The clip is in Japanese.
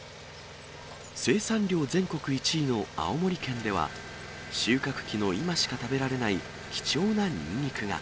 生産量全国１位の青森県では、収穫期の今しか食べられない貴重なニンニクが。